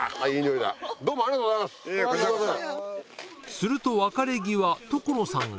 すると別れ際所さんが